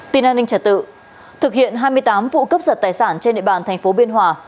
tin an ninh trả tự thực hiện hai mươi tám vụ cấp giật tài sản trên địa bàn tp biên hòa